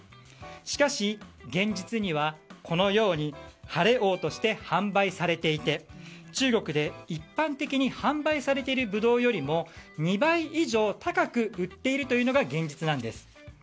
しかし、現実にはこのように晴王として販売されていて中国で一般的に販売されているブドウよりも２倍以上高く売っているのが現実なんです。